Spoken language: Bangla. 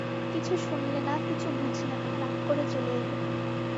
কিছু শুনলে না, কিছু বুঝলে না, রাগ করে চলে এলে।